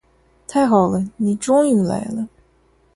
太好了，你终于来了。